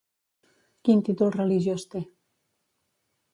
Quin títol religiós té?